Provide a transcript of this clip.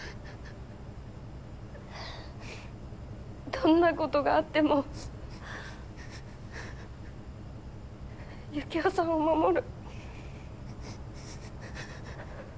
どんなことがあってもユキオさんを守る。